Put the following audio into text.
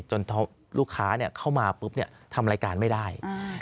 ลูกค้าเข้ามาปุ๊บทำรายการไม่ได้